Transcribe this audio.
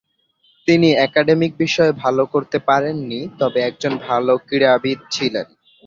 তিনি একাডেমিক বিষয়ে ভাল করতে পারেননি, তবে একজন ভাল ক্রীড়াবিদ ছিলেন।